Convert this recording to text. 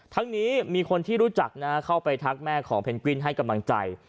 ทั้งนี้มีคนที่รู้จักนะเข้าไปทักแม่ของเพนกวินให้กำลังใจ